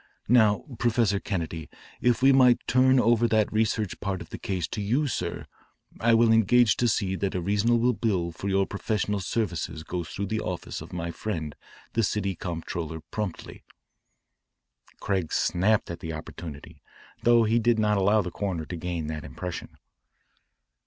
Now, Professor Kennedy, if we might turn over that research part of the case to you, sir, I will engage to see that a reasonable bill for your professional services goes through the office of my friend the city comptroller promptly." Craig snapped at the opportunity, though he did not allow the coroner to gain that impression.